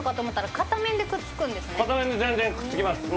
片面で全然くっつきます